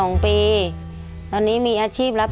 ขอเพียงคุณสามารถที่จะเอ่ยเอื้อนนะครับ